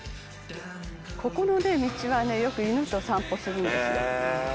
「ここの道はねよく犬と散歩するんですよ」